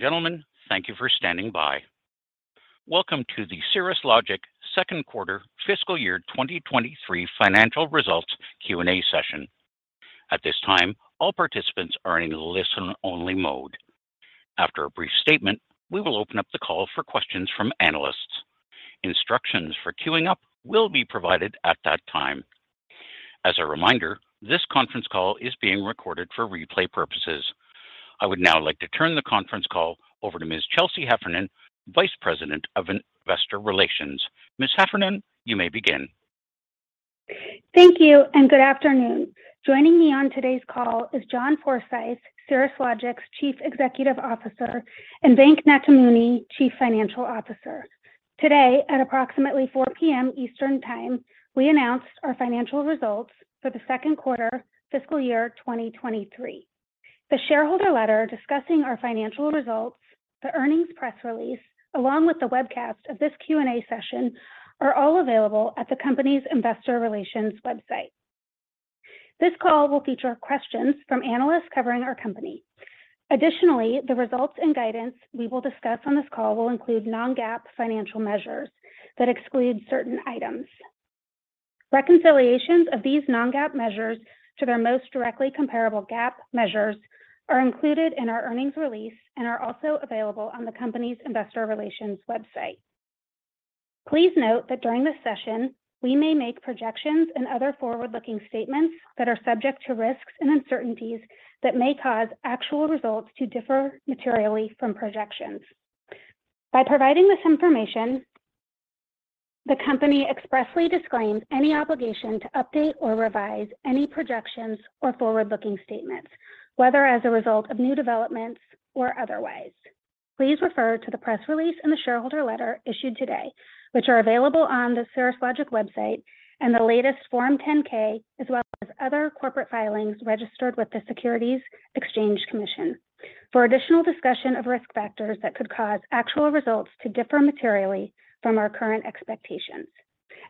Ladies and gentlemen, thank you for standing by. Welcome to the Cirrus Logic second quarter fiscal year 2023 financial results Q&A session. At this time, all participants are in listen only mode. After a brief statement, we will open up the call for questions from analysts. Instructions for queuing up will be provided at that time. As a reminder, this conference call is being recorded for replay purposes. I would now like to turn the conference call over to Ms. Chelsea Heffernan, Vice President of Investor Relations. Ms. Heffernan, you may begin. Thank you, and good afternoon. Joining me on today's call is John Forsyth, Cirrus Logic's Chief Executive Officer, and Venk Nathamuni, Chief Financial Officer. Today, at approximately 4 P.M. Eastern Time, we announced our financial results for the second quarter fiscal year 2023. The shareholder letter discussing our financial results, the earnings press release, along with the webcast of this Q&A session are all available at the company's investor relations website. This call will feature questions from analysts covering our company. Additionally, the results and guidance we will discuss on this call will include non-GAAP financial measures that exclude certain items. Reconciliations of these non-GAAP measures to their most directly comparable GAAP measures are included in our earnings release and are also available on the company's investor relations website. Please note that during this session, we may make projections and other forward-looking statements that are subject to risks and uncertainties that may cause actual results to differ materially from projections. By providing this information, the company expressly disclaims any obligation to update or revise any projections or forward-looking statements, whether as a result of new developments or otherwise. Please refer to the press release and the shareholder letter issued today, which are available on the Cirrus Logic website and the latest Form 10-K, as well as other corporate filings registered with the Securities and Exchange Commission for additional discussion of risk factors that could cause actual results to differ materially from our current expectations.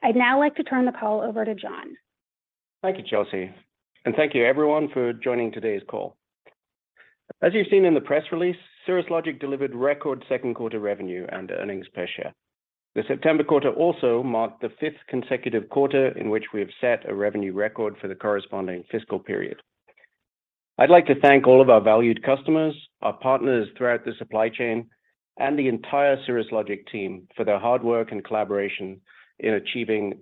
I'd now like to turn the call over to John. Thank you, Chelsea, and thank you everyone for joining today's call. As you've seen in the press release, Cirrus Logic delivered record second quarter revenue and earnings per share. The September quarter also marked the fifth consecutive quarter in which we have set a revenue record for the corresponding fiscal period. I'd like to thank all of our valued customers, our partners throughout the supply chain, and the entire Cirrus Logic team for their hard work and collaboration in achieving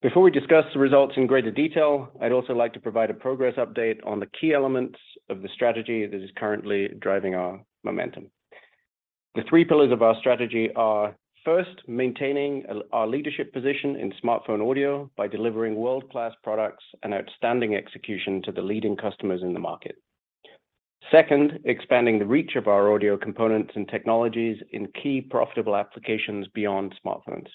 these outstanding results. Before we discuss the results in greater detail, I'd also like to provide a progress update on the key elements of the strategy that is currently driving our momentum. The three pillars of our strategy are, first, maintaining our leadership position in smartphone audio by delivering world-class products and outstanding execution to the leading customers in the market. Second, expanding the reach of our audio components and technologies in key profitable applications beyond smartphones.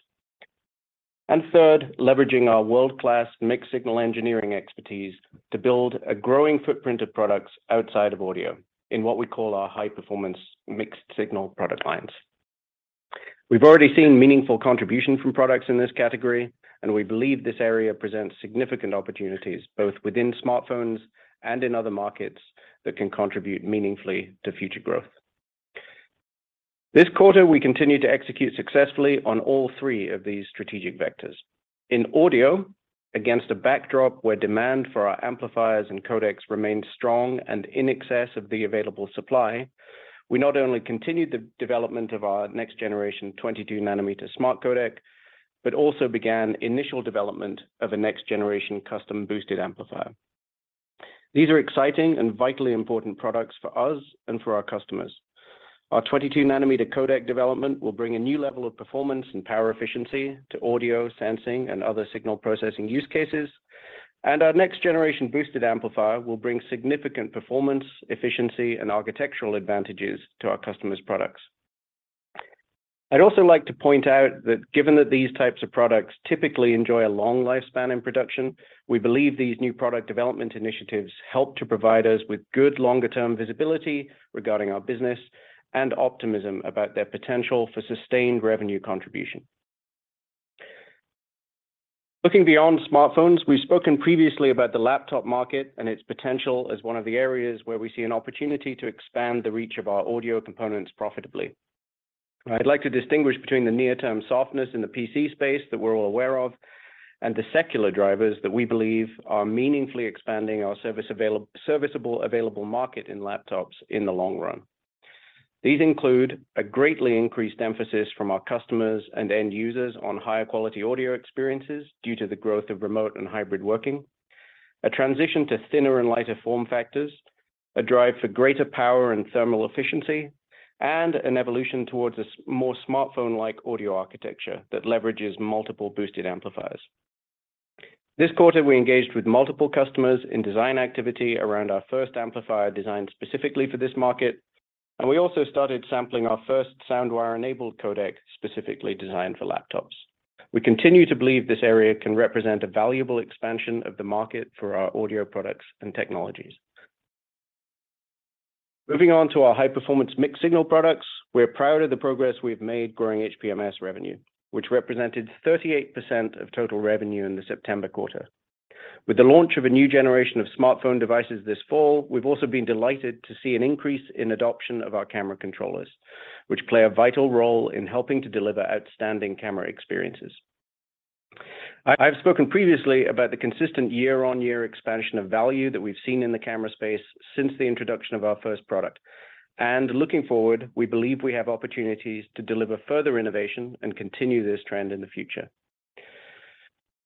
Third, leveraging our world-class mixed-signal engineering expertise to build a growing footprint of products outside of audio in what we call our high-performance mixed-signal product lines. We've already seen meaningful contribution from products in this category, and we believe this area presents significant opportunities, both within smartphones and in other markets that can contribute meaningfully to future growth. This quarter, we continued to execute successfully on all three of these strategic vectors. In audio, against a backdrop where demand for our amplifiers and codecs remained strong and in excess of the available supply, we not only continued the development of our next generation 22-nanometer smart codec, but also began initial development of a next generation custom boosted amplifier. These are exciting and vitally important products for us and for our customers. Our 22-nanometer codec development will bring a new level of performance and power efficiency to audio sensing and other signal processing use cases, and our next generation boosted amplifier will bring significant performance, efficiency, and architectural advantages to our customers' products. I'd also like to point out that given that these types of products typically enjoy a long lifespan in production, we believe these new product development initiatives help to provide us with good longer-term visibility regarding our business and optimism about their potential for sustained revenue contribution. Looking beyond smartphones, we've spoken previously about the laptop market and its potential as one of the areas where we see an opportunity to expand the reach of our audio components profitably. I'd like to distinguish between the near-term softness in the PC space that we're all aware of and the secular drivers that we believe are meaningfully expanding our serviceable available market in laptops in the long run. These include a greatly increased emphasis from our customers and end users on higher quality audio experiences due to the growth of remote and hybrid working, a transition to thinner and lighter form factors, a drive for greater power and thermal efficiency, and an evolution towards more smartphone-like audio architecture that leverages multiple boosted amplifiers. This quarter, we engaged with multiple customers in design activity around our first amplifier designed specifically for this market, and we also started sampling our first SoundWire-enabled codec specifically designed for laptops. We continue to believe this area can represent a valuable expansion of the market for our audio products and technologies. Moving on to our high-performance mixed signal products, we're proud of the progress we've made growing HPMS revenue, which represented 38% of total revenue in the September quarter. With the launch of a new generation of smartphone devices this fall, we've also been delighted to see an increase in adoption of our camera controllers, which play a vital role in helping to deliver outstanding camera experiences. I've spoken previously about the consistent year-on-year expansion of value that we've seen in the camera space since the introduction of our first product. Looking forward, we believe we have opportunities to deliver further innovation and continue this trend in the future.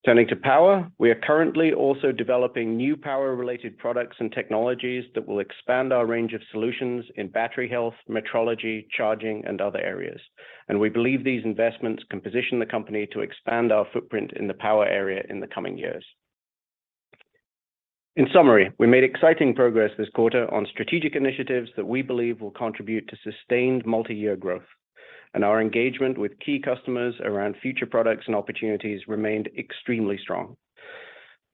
Turning to power, we are currently also developing new power-related products and technologies that will expand our range of solutions in battery health, metrology, charging, and other areas, and we believe these investments can position the company to expand our footprint in the power area in the coming years. In summary, we made exciting progress this quarter on strategic initiatives that we believe will contribute to sustained multi-year growth, and our engagement with key customers around future products and opportunities remained extremely strong.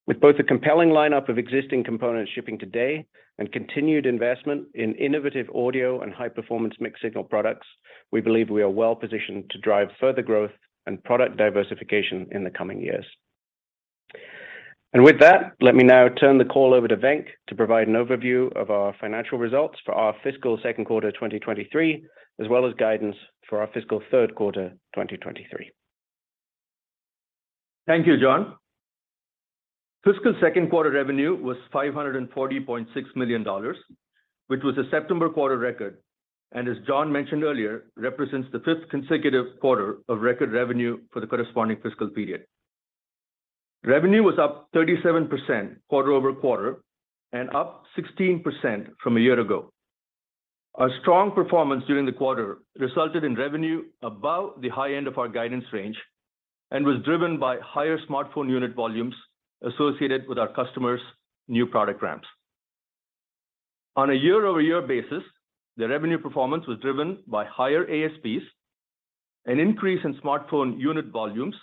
With both a compelling lineup of existing components shipping today and continued investment in innovative audio and high-performance mixed-signal products, we believe we are well positioned to drive further growth and product diversification in the coming years. With that, let me now turn the call over to Venk Nathamuni to provide an overview of our financial results for our fiscal second quarter 2023, as well as guidance for our fiscal third quarter 2023. Thank you, John. Fiscal second quarter revenue was $540.6 million, which was a September quarter record, and as John mentioned earlier, represents the fifth consecutive quarter of record revenue for the corresponding fiscal period. Revenue was up 37% quarter-over-quarter and up 16% year-over-year. Our strong performance during the quarter resulted in revenue above the high end of our guidance range and was driven by higher smartphone unit volumes associated with our customers' new product ramps. On a year-over-year basis, the revenue performance was driven by higher ASPs, an increase in smartphone unit volumes,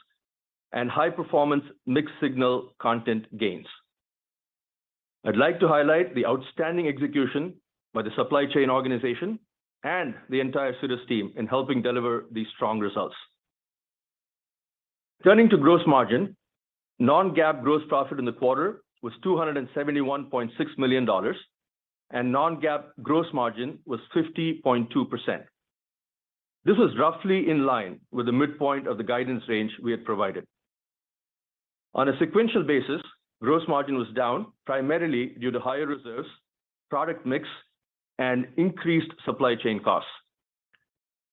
and high-performance mixed-signal content gains. I'd like to highlight the outstanding execution by the supply chain organization and the entire Cirrus Logic team in helping deliver these strong results. Turning to gross margin, non-GAAP gross profit in the quarter was $271.6 million, and non-GAAP gross margin was 50.2%. This was roughly in line with the midpoint of the guidance range we had provided. On a sequential basis, gross margin was down primarily due to higher reserves, product mix, and increased supply chain costs.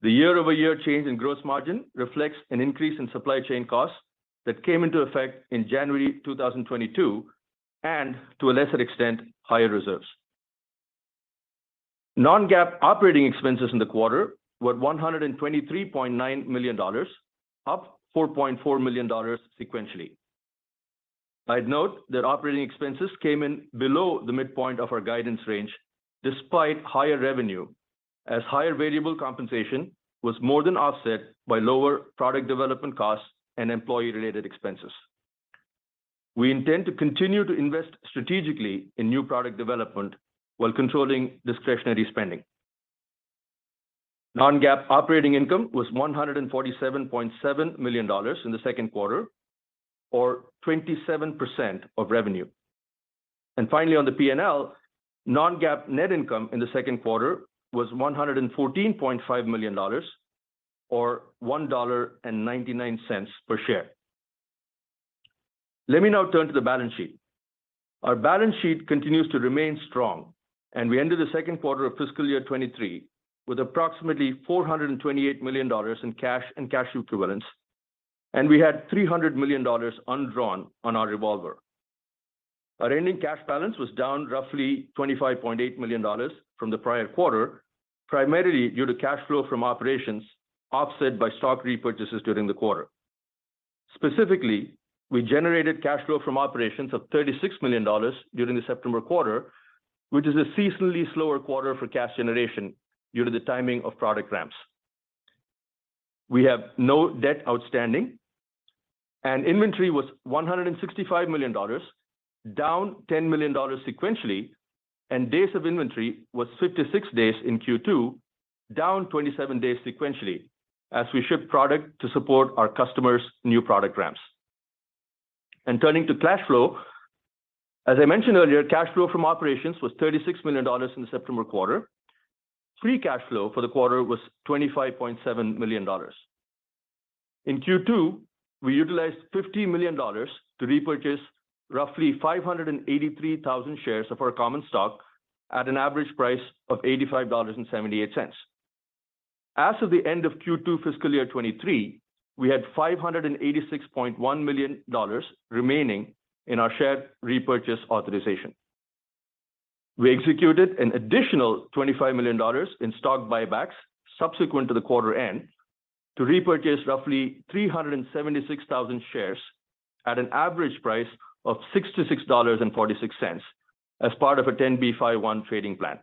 The year-over-year change in gross margin reflects an increase in supply chain costs that came into effect in January 2022 and, to a lesser extent, higher reserves. Non-GAAP operating expenses in the quarter were $123.9 million, up $4.4 million sequentially. I'd note that operating expenses came in below the midpoint of our guidance range despite higher revenue, as higher variable compensation was more than offset by lower product development costs and employee-related expenses. We intend to continue to invest strategically in new product development while controlling discretionary spending. non-GAAP operating income was $147.7 million in the second quarter or 27% of revenue. Finally, on the P&L, non-GAAP net income in the second quarter was $114.5 million or $1.99 per share. Let me now turn to the balance sheet. Our balance sheet continues to remain strong, and we ended the second quarter of fiscal year 2023 with approximately $428 million in cash and cash equivalents, and we had $300 million undrawn on our revolver. Our ending cash balance was down roughly $25.8 million from the prior quarter, primarily due to cash flow from operations offset by stock repurchases during the quarter. Specifically, we generated cash flow from operations of $36 million during the September quarter, which is a seasonally slower quarter for cash generation due to the timing of product ramps. We have no debt outstanding and inventory was $165 million, down $10 million sequentially, and days of inventory was 56 days in Q2, down 27 days sequentially as we ship product to support our customers' new product ramps. Turning to cash flow, as I mentioned earlier, cash flow from operations was $36 million in the September quarter. Free cash flow for the quarter was $25.7 million. In Q2, we utilized $50 million to repurchase roughly 583,000 shares of our common stock at an average price of $85.78. As of the end of Q2 fiscal year 2023, we had $586.1 million remaining in our share repurchase authorization. We executed an additional $25 million in stock buybacks subsequent to the quarter end to repurchase roughly 376,000 shares at an average price of $66.46 as part of a 10B5-1 trading plan.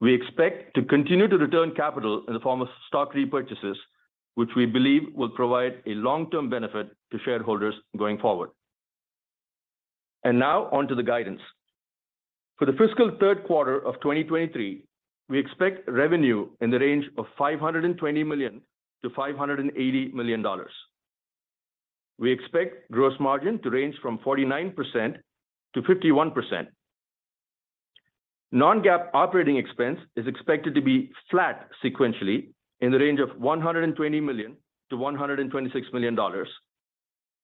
We expect to continue to return capital in the form of stock repurchases, which we believe will provide a long-term benefit to shareholders going forward. Now on to the guidance. For the fiscal third quarter of 2023, we expect revenue in the range of $520 million-$580 million. We expect gross margin to range from 49%-51%. Non-GAAP operating expense is expected to be flat sequentially in the range of $120 million-$126 million,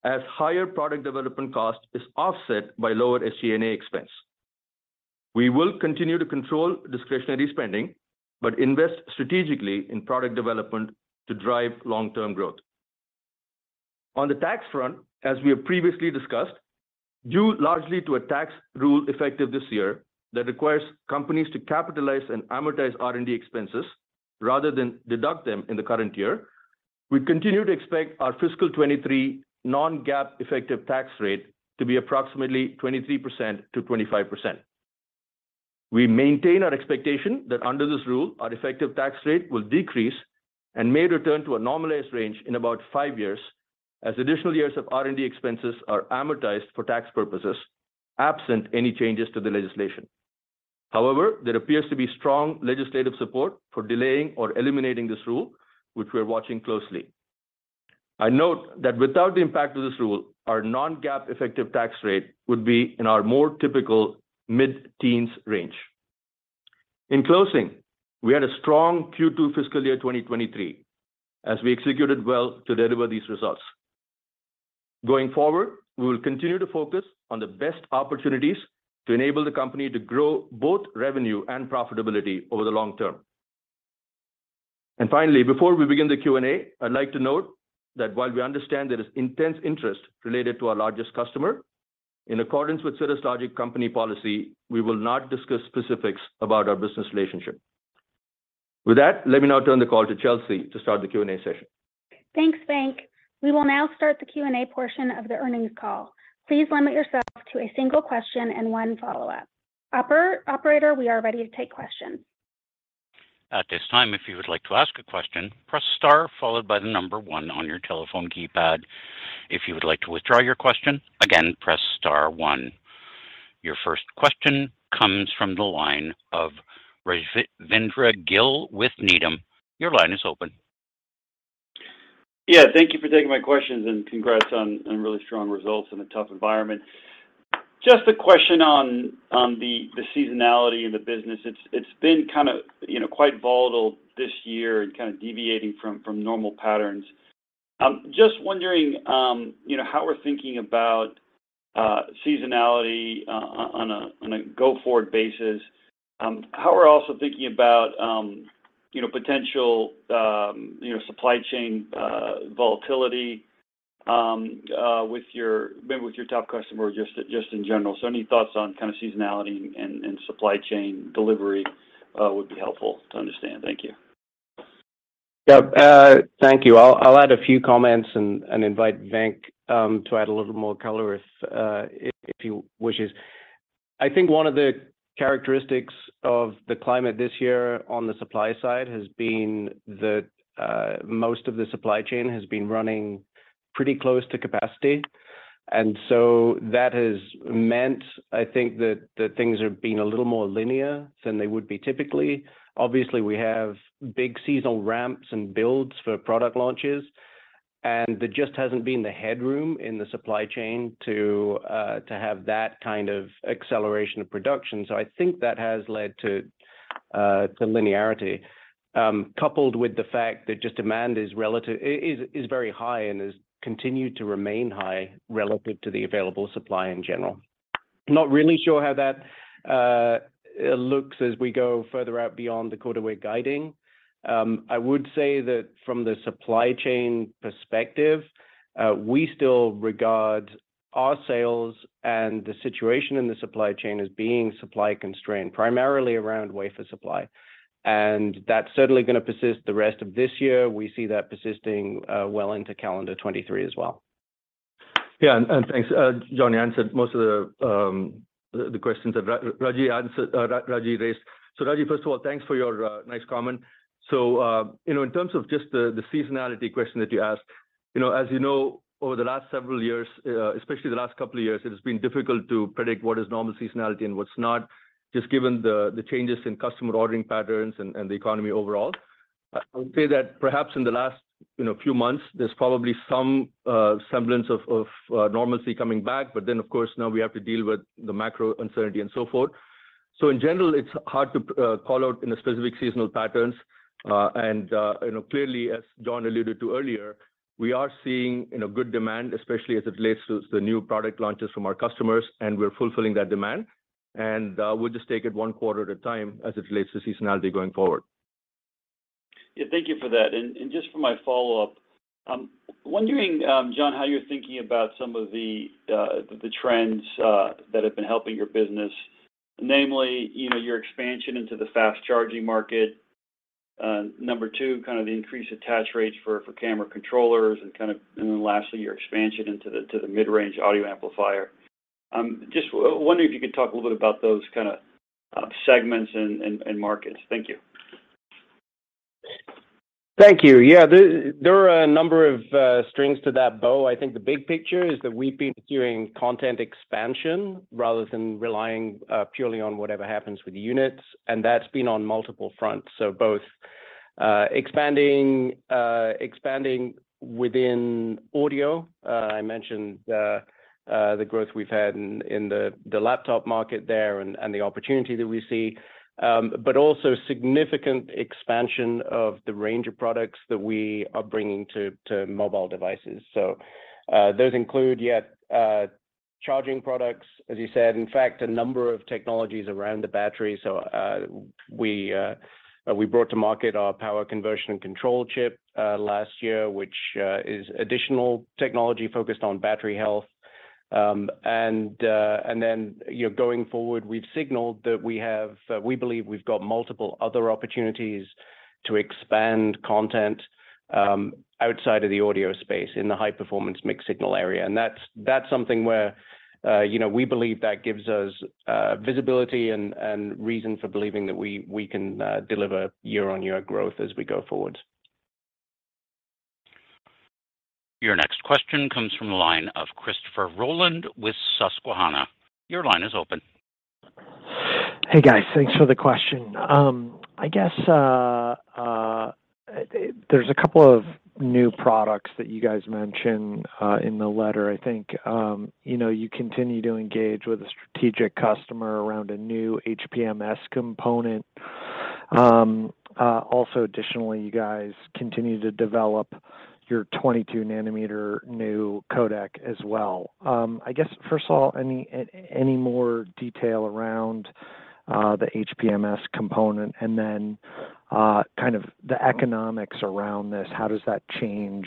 as higher product development cost is offset by lower SG&A expense. We will continue to control discretionary spending, but invest strategically in product development to drive long-term growth. On the tax front, as we have previously discussed, due largely to a tax rule effective this year that requires companies to capitalize and amortize R&D expenses rather than deduct them in the current year, we continue to expect our fiscal 2023 non-GAAP effective tax rate to be approximately 23%-25%. We maintain our expectation that under this rule, our effective tax rate will decrease and may return to a normalized range in about five years as additional years of R&D expenses are amortized for tax purposes, absent any changes to the legislation. However, there appears to be strong legislative support for delaying or eliminating this rule, which we're watching closely. I note that without the impact of this rule, our non-GAAP effective tax rate would be in our more typical mid-teens range. In closing, we had a strong Q2 fiscal year 2023, as we executed well to deliver these results. Going forward, we will continue to focus on the best opportunities to enable the company to grow both revenue and profitability over the long term. Finally, before we begin the Q&A, I'd like to note that while we understand there is intense interest related to our largest customer, in accordance with Cirrus Logic company policy, we will not discuss specifics about our business relationship. With that, let me now turn the call to Chelsea to start the Q&A session. Thanks, Venk. We will now start the Q&A portion of the earnings call. Please limit yourself to a single question and one follow-up. Operator, we are ready to take questions. At this time, if you would like to ask a question, press star followed by the number one on your telephone keypad. If you would like to withdraw your question, again, press star one. Your first question comes from the line of Rajvindra Gill with Needham. Your line is open. Yeah, thank you for taking my questions, and congrats on really strong results in a tough environment. Just a question on the seasonality in the business. It's been kind of, you know, quite volatile this year and kind of deviating from normal patterns. I'm just wondering, you know, how we're thinking about seasonality on a go-forward basis, how we're also thinking about, you know, potential supply chain volatility with, maybe with your top customer just in general. So any thoughts on kind of seasonality and supply chain delivery would be helpful to understand. Thank you. Thank you. I'll add a few comments and invite Venk to add a little more color if he wishes. I think one of the characteristics of the climate this year on the supply side has been that most of the supply chain has been running pretty close to capacity. That has meant, I think, that things have been a little more linear than they would be typically. Obviously, we have big seasonal ramps and builds for product launches, and there just hasn't been the headroom in the supply chain to have that kind of acceleration of production. I think that has led to linearity, coupled with the fact that just demand is relatively high and has continued to remain high relative to the available supply in general. Not really sure how that looks as we go further out beyond the quarter we're guiding. I would say that from the supply chain perspective, we still regard our sales and the situation in the supply chain as being supply constrained, primarily around wafer supply, and that's certainly gonna persist the rest of this year. We see that persisting, well into calendar 2023 as well. Yeah. Thanks. John answered most of the questions that Rajvindra raised. Rajvindra, first of all, thanks for your nice comment. You know, in terms of just the seasonality question that you asked, you know, as you know, over the last several years, especially the last couple of years, it has been difficult to predict what is normal seasonality and what's not, just given the changes in customer ordering patterns and the economy overall. I would say that perhaps in the last few months, there's probably some semblance of normalcy coming back. Of course, now we have to deal with the macro uncertainty and so forth. In general, it's hard to call out any specific seasonal patterns. You know, clearly, as John alluded to earlier, we are seeing, you know, good demand, especially as it relates to the new product launches from our customers, and we're fulfilling that demand. We'll just take it one quarter at a time as it relates to seasonality going forward. Yeah. Thank you for that. Just for my follow-up, I'm wondering, John, how you're thinking about some of the trends that have been helping your business, namely, you know, your expansion into the fast-charging market. Number two, kind of the increased attach rates for camera controllers and then lastly, your expansion into the mid-range audio amplifier. I'm just wondering if you could talk a little bit about those kinda segments and markets. Thank you. Thank you. Yeah, there are a number of strings to that bow. I think the big picture is that we've been doing content expansion rather than relying purely on whatever happens with the units, and that's been on multiple fronts. Both expanding within audio. I mentioned the growth we've had in the laptop market there and the opportunity that we see, but also significant expansion of the range of products that we are bringing to mobile devices. Those include, yeah, charging products, as you said. In fact, a number of technologies around the battery. We brought to market our power conversion and control ICs last year, which is additional technology focused on battery health. Going forward, we've signaled that we believe we've got multiple other opportunities to expand content outside of the audio space in the high-performance mixed-signal area. That's something where, you know, we believe that gives us visibility and reason for believing that we can deliver year-on-year growth as we go forward. Your next question comes from the line of Christopher Rolland with Susquehanna. Your line is open. Hey, guys. Thanks for the question. I guess, there's a couple of new products that you guys mentioned in the letter, I think. You know, you continue to engage with a strategic customer around a new HPMS component. Also additionally, you guys continue to develop your 22-nanometer new codec as well. I guess, first of all, any more detail around the HPMS component and then kind of the economics around this. How does that change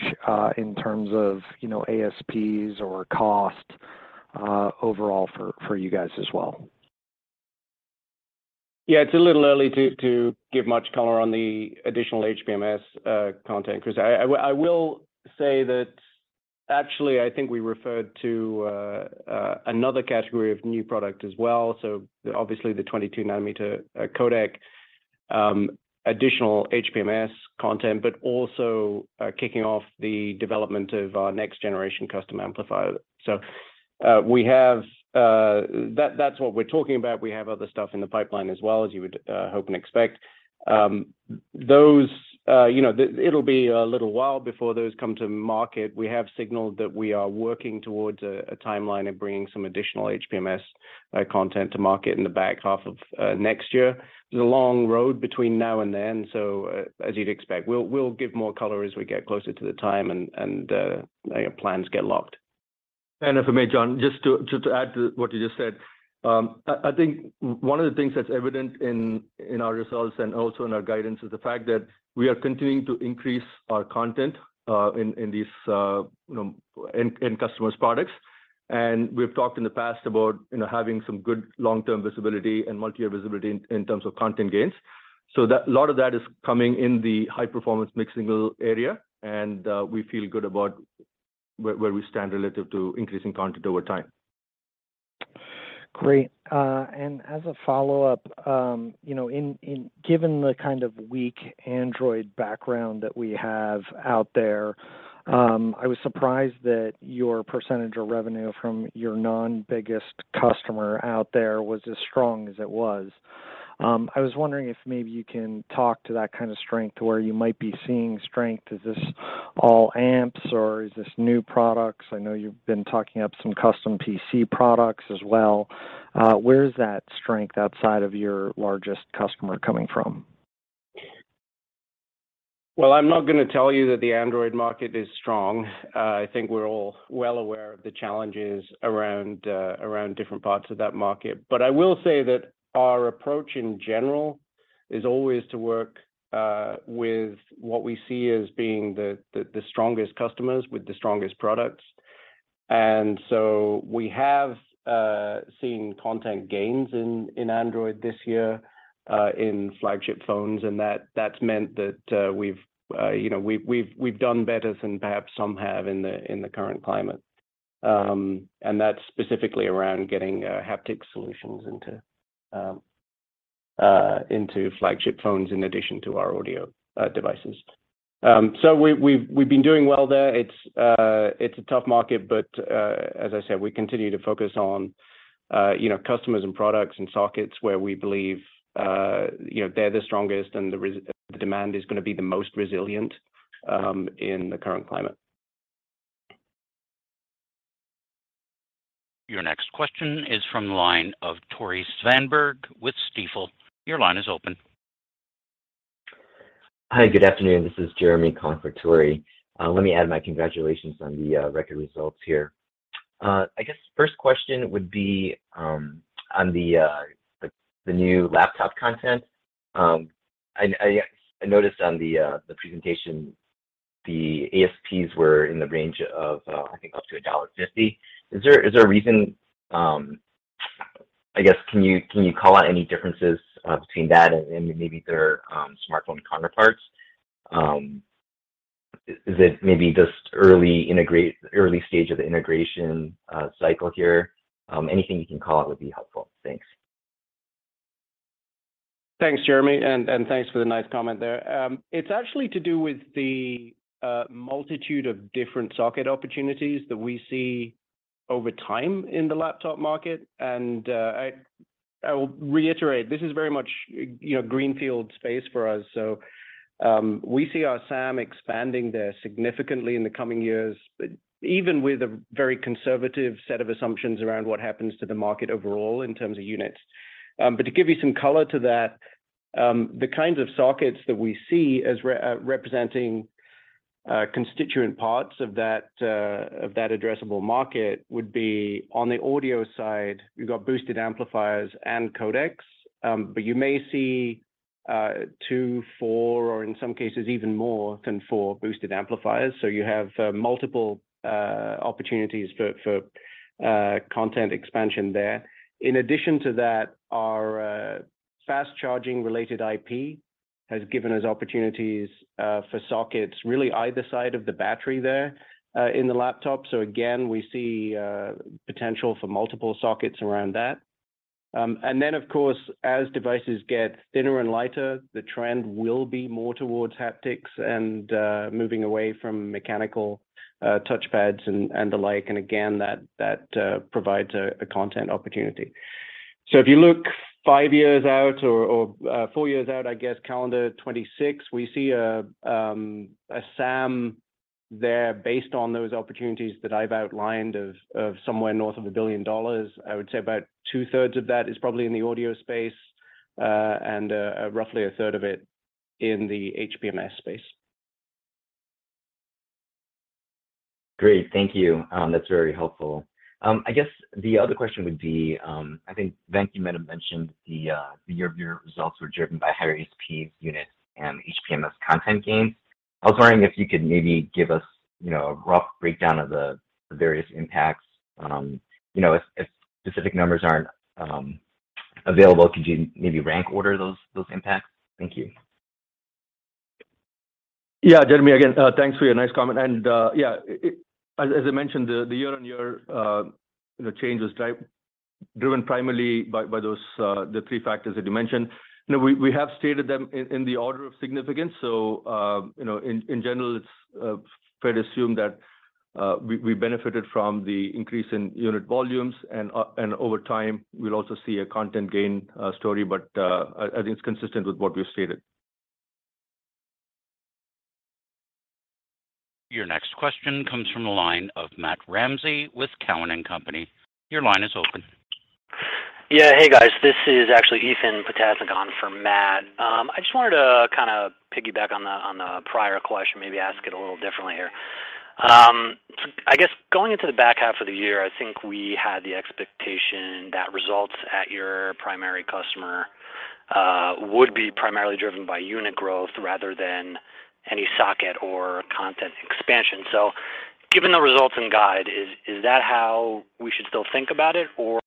in terms of, you know, ASPs or cost overall for you guys as well? Yeah, it's a little early to give much color on the additional HPMS content, Chris. I will say that actually I think we referred to another category of new product as well. Obviously the 22-nanometer codec, additional HPMS content, but also kicking off the development of our next generation custom amplifier. We have that's what we're talking about. We have other stuff in the pipeline as well as you would hope and expect. You know, it'll be a little while before those come to market. We have signaled that we are working towards a timeline of bringing some additional HPMS content to market in the back half of next year. There's a long road between now and then, as you'd expect. We'll give more color as we get closer to the time and plans get locked. If I may, John, just to add to what you just said. I think one of the things that's evident in our results and also in our guidance is the fact that we are continuing to increase our content in these you know in customers' products. We've talked in the past about you know having some good long-term visibility and multi-year visibility in terms of content gains. That a lot of that is coming in the high-performance mixed-signal area, and we feel good about where we stand relative to increasing content over time. Great. As a follow-up, you know, given the kind of weak Android background that we have out there, I was surprised that your percentage of revenue from your non-biggest customer out there was as strong as it was. I was wondering if maybe you can talk to that kind of strength, where you might be seeing strength. Is this all amps or is this new products? I know you've been talking up some custom PC products as well. Where is that strength outside of your largest customer coming from? Well, I'm not gonna tell you that the Android market is strong. I think we're all well aware of the challenges around different parts of that market. I will say that our approach in general is always to work with what we see as being the strongest customers with the strongest products. We have seen content gains in Android this year in flagship phones, and that's meant that we've done better than perhaps some have in the current climate. That's specifically around getting haptic solutions into flagship phones in addition to our audio devices. We've been doing well there. It's a tough market, but as I said, we continue to focus on you know, customers and products and sockets where we believe you know, they're the strongest and the demand is gonna be the most resilient in the current climate. Your next question is from the line of Tore Svanberg with Stifel. Your line is open. Hi, good afternoon. This is Jeremy covering for Tore. Let me add my congratulations on the record results here. I guess first question would be on the new laptop content. I noticed on the presentation the ASPs were in the range of, I think up to $1.50. Is there a reason? I guess, can you call out any differences between that and maybe their smartphone counterparts? Is it maybe just early stage of the integration cycle here? Anything you can call out would be helpful. Thanks. Thanks, Jeremy, and thanks for the nice comment there. It's actually to do with the multitude of different socket opportunities that we see over time in the laptop market. I will reiterate, this is very much you know, greenfield space for us, so we see our SAM expanding there significantly in the coming years, but even with a very conservative set of assumptions around what happens to the market overall in terms of units. To give you some color to that, the kinds of sockets that we see as representing constituent parts of that addressable market would be on the audio side, you've got boosted amplifiers and codecs. You may see 2, 4, or in some cases even more than four boosted amplifiers. You have multiple opportunities for content expansion there. In addition to that, our fast charging related IP has given us opportunities for sockets really either side of the battery there in the laptop. We see potential for multiple sockets around that. Then of course, as devices get thinner and lighter, the trend will be more towards haptics and moving away from mechanical touchpads and the like. Again, that provides a content opportunity. If you look five years out or four years out, I guess calendar 2026, we see a SAM there based on those opportunities that I've outlined of somewhere north of $1 billion. I would say about 2/3 of that is probably in the audio space, and roughly a third of it in the HPMS space. Great. Thank you. That's very helpful. I guess the other question would be, I think Venk you might have mentioned the year-over-year results were driven by higher ASPs units and HPMS content gain. I was wondering if you could maybe give us, you know, a rough breakdown of the various impacts, you know, if specific numbers aren't available, could you maybe rank order those impacts? Thank you. Yeah, Jeremy, again, thanks for your nice comment. Yeah, as I mentioned, the year-on-year, you know, change was driven primarily by those the three factors that you mentioned. You know, we have stated them in the order of significance. You know, in general, it's fair to assume that we benefited from the increase in unit volumes and over time, we'll also see a content gain story. I think it's consistent with what we've stated. Your next question comes from the line of Matt Ramsay with Cowen and Company. Your line is open. Yeah. Hey, guys. This is actually Ethan Potasnick on for Matt. I just wanted to kinda piggyback on the prior question, maybe ask it a little differently here. I guess going into the back half of the year, I think we had the expectation that results at your primary customer would be primarily driven by unit growth rather than any socket or content expansion. Given the results and guide, is that how we should still think about it? Or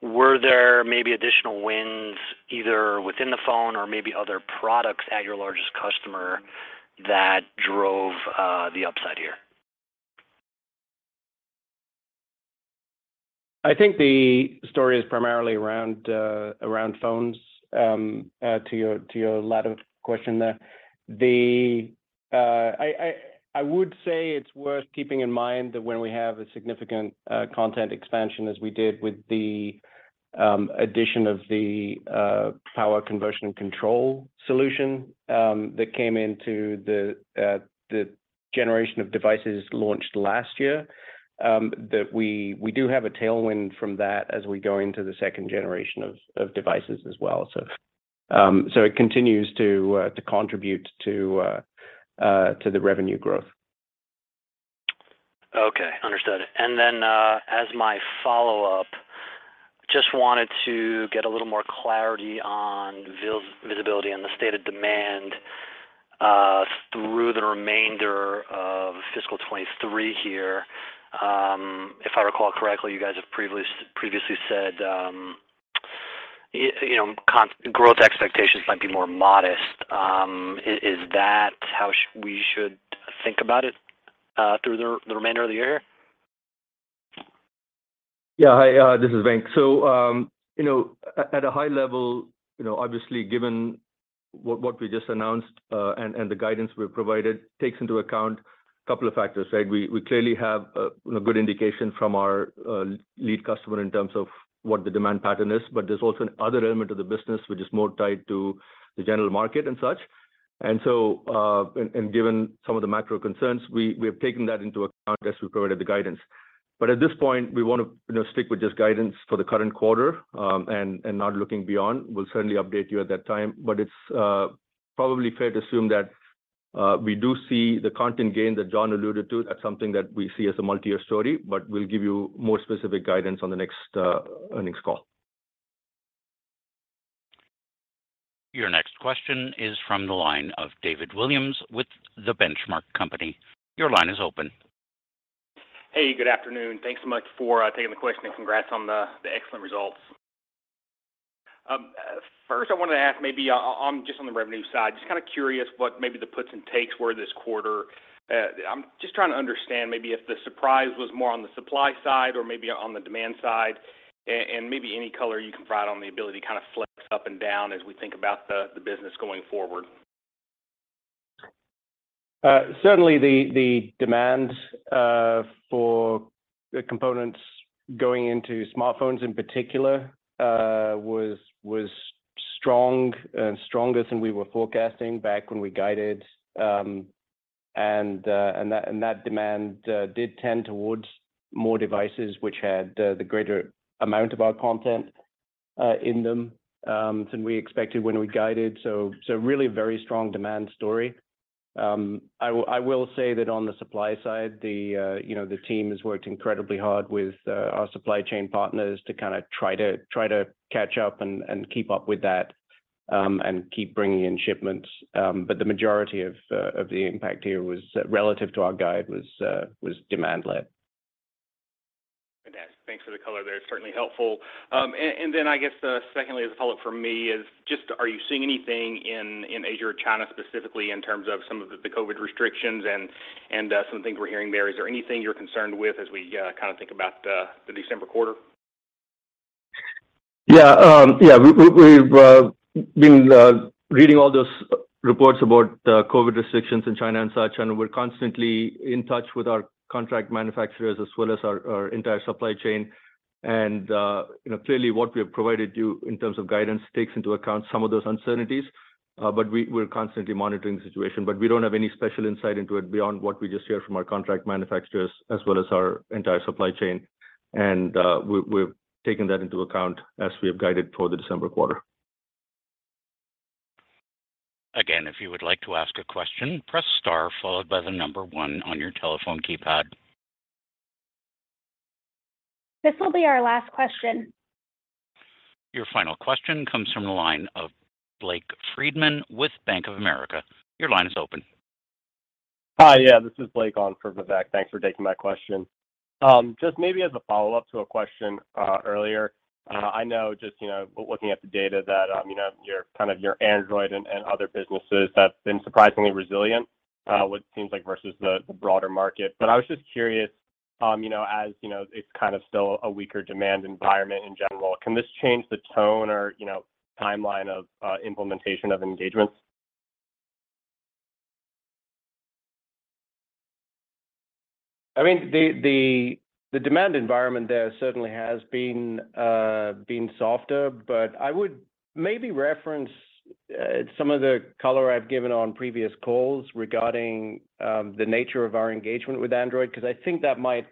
were there maybe additional wins either within the phone or maybe other products at your largest customer that drove the upside here? I think the story is primarily around phones, to your latter question there. I would say it's worth keeping in mind that when we have a significant content expansion as we did with the addition of the power conversion and control ICs that came into the generation of devices launched last year, that we do have a tailwind from that as we go into the second generation of devices as well. It continues to contribute to the revenue growth. Okay. Understood. As my follow-up, just wanted to get a little more clarity on visibility and the state of demand through the remainder of fiscal 2023 here. If I recall correctly, you guys have previously said, you know, growth expectations might be more modest. Is that how we should think about it through the remainder of the year? Yeah. Hi, this is Venk. You know, at a high level, you know, obviously given what we just announced, and the guidance we've provided takes into account a couple of factors, right? We clearly have a you know, good indication from our lead customer in terms of what the demand pattern is, but there's also another element of the business which is more tied to the general market and such. Given some of the macro concerns, we have taken that into account as we provided the guidance. At this point, we wanna you know, stick with just guidance for the current quarter, and not looking beyond. We'll certainly update you at that time. It's probably fair to assume that we do see the content gain that John alluded to. That's something that we see as a multi-year story, but we'll give you more specific guidance on the next earnings call. Your next question is from the line of David Williams with The Benchmark Company. Your line is open. Hey, good afternoon. Thanks so much for taking the question, and congrats on the excellent results. First, I wanted to ask maybe on just on the revenue side, just kinda curious what maybe the puts and takes were this quarter. I'm just trying to understand maybe if the surprise was more on the supply side or maybe on the demand side, and maybe any color you can provide on the ability to kind of flex up and down as we think about the business going forward. Certainly the demand for the components going into smartphones in particular was stronger than we were forecasting back when we guided. That demand did tend towards more devices which had the greater amount of our content in them than we expected when we guided. Really very strong demand story. I will say that on the supply side, you know, the team has worked incredibly hard with our supply chain partners to kinda try to catch up and keep up with that and keep bringing in shipments. The majority of the impact here relative to our guide was demand led. Fantastic. Thanks for the color there. Certainly helpful. I guess, secondly as a follow-up from me is just are you seeing anything in Asia or China specifically in terms of some of the COVID restrictions and some of the things we're hearing there? Is there anything you're concerned with as we kind of think about the December quarter? Yeah. We've been reading all those reports about the COVID restrictions in China and such, and we're constantly in touch with our contract manufacturers as well as our entire supply chain. You know, clearly what we have provided you in terms of guidance takes into account some of those uncertainties, but we're constantly monitoring the situation. We don't have any special insight into it beyond what we just hear from our contract manufacturers as well as our entire supply chain. We're taking that into account as we have guided for the December quarter. Again, if you would like to ask a question, press star followed by the number one on your telephone keypad. This will be our last question. Your final question comes from the line of Blake Friedman with Bank of America. Your line is open. Hi, yeah, this is Blake on for Vivek. Thanks for taking my question. Just maybe as a follow-up to a question earlier, I know just, you know, looking at the data that, you know, your, kind of your Android and other businesses have been surprisingly resilient, which seems like versus the broader market. I was just curious, you know, as you know, it's kind of still a weaker demand environment in general. Can this change the tone or, you know, timeline of implementation of engagements? I mean, the demand environment there certainly has been softer, but I would maybe reference some of the color I've given on previous calls regarding the nature of our engagement with Android, because I think that might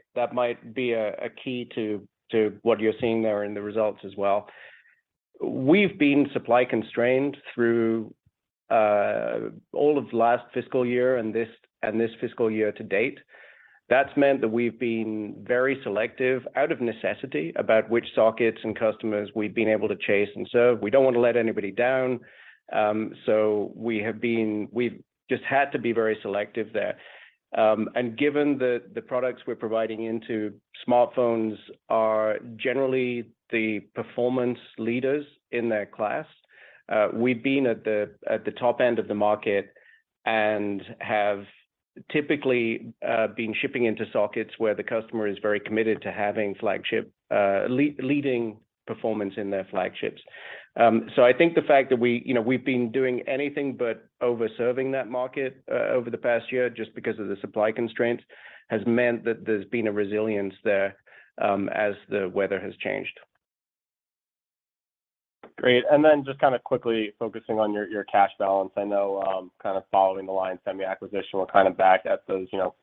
be a key to what you're seeing there in the results as well. We've been supply constrained through all of last fiscal year and this fiscal year to date. That's meant that we've been very selective out of necessity about which sockets and customers we've been able to chase. We don't wanna let anybody down, so we've just had to be very selective there. Given the products we're providing into smartphones are generally the performance leaders in their class, we've been at the top end of the market and have typically been shipping into sockets where the customer is very committed to having flagship leading performance in their flagships. I think the fact that we, you know, we've been doing anything but over-serving that market over the past year just because of the supply constraints has meant that there's been a resilience there, as the weather has changed. Great. Then just kinda quickly focusing on your cash balance. I know kind of following the Lion Semi acquisition, we're kind of back at those, you know,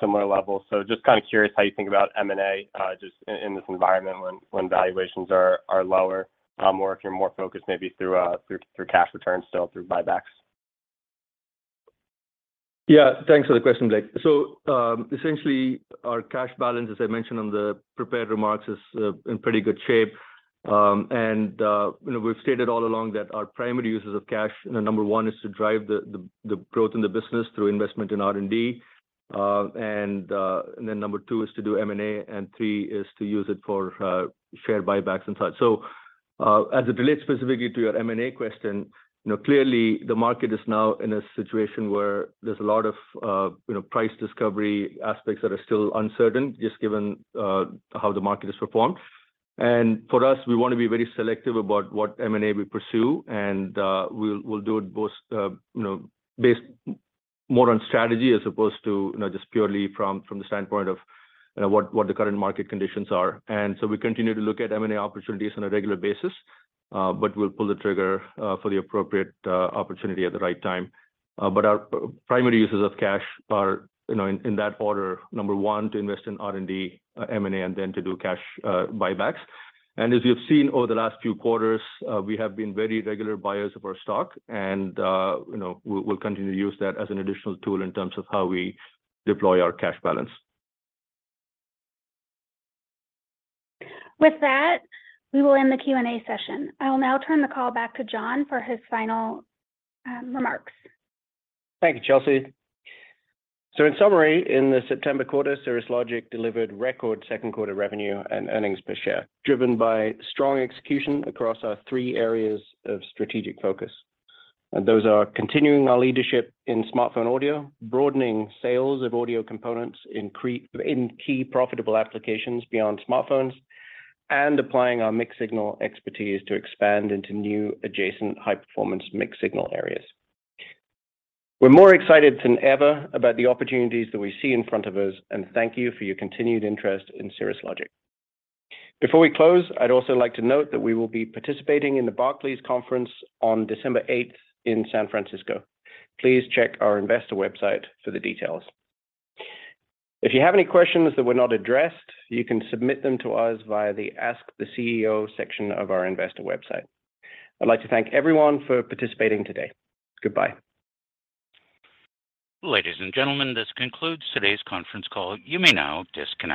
similar levels. Just kinda curious how you think about M&A just in this environment when valuations are lower, or if you're more focused maybe through cash returns still through buybacks. Yeah. Thanks for the question, Blake. Essentially, our cash balance, as I mentioned on the prepared remarks, is in pretty good shape. You know, we've stated all along that our primary uses of cash, you know, number one is to drive the growth in the business through investment in R&D. Number two is to do M&A, and three is to use it for share buybacks and such. As it relates specifically to your M&A question, you know, clearly the market is now in a situation where there's a lot of, you know, price discovery aspects that are still uncertain, just given how the market has performed. For us, we wanna be very selective about what M&A we pursue, and we'll do it both, you know, based more on strategy as opposed to, you know, just purely from the standpoint of, you know, what the current market conditions are. We continue to look at M&A opportunities on a regular basis, but we'll pull the trigger for the appropriate opportunity at the right time. Our primary uses of cash are, you know, in that order, number one, to invest in R&D, M&A, and then to do cash buybacks. As you've seen over the last few quarters, we have been very regular buyers of our stock and, you know, we'll continue to use that as an additional tool in terms of how we deploy our cash balance. With that, we will end the Q&A session. I will now turn the call back to John for his final remarks. Thank you, Chelsea. In summary, in the September quarter, Cirrus Logic delivered record second quarter revenue and earnings per share, driven by strong execution across our three areas of strategic focus. Those are continuing our leadership in smartphone audio, broadening sales of audio components in key profitable applications beyond smartphones, and applying our mixed signal expertise to expand into new adjacent high-performance mixed signal areas. We're more excited than ever about the opportunities that we see in front of us, and thank you for your continued interest in Cirrus Logic. Before we close, I'd also like to note that we will be participating in the Barclays Conference on December eighth in San Francisco. Please check our investor website for the details. If you have any questions that were not addressed, you can submit them to us via the Ask the CEO section of our investor website. I'd like to thank everyone for participating today. Goodbye. Ladies and gentlemen, this concludes today's conference call. You may now disconnect.